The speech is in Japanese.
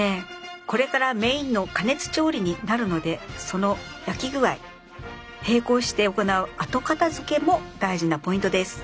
これからメインの加熱調理になるのでその焼き具合並行して行う後片づけも大事なポイントです。